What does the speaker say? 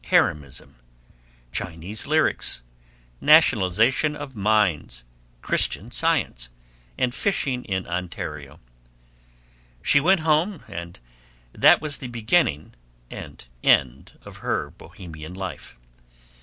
haremism, Chinese lyrics, nationalization of mines, Christian Science, and fishing in Ontario. She went home, and that was the beginning and end of her Bohemian life.